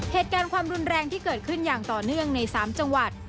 เหตุการณ์ความรุนแรงที่เกิดขึ้นอย่างต่อเนื่องใน๓จังหวัด